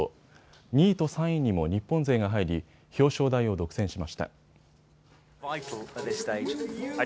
２位と３位にも日本勢が入り表彰台を独占しました。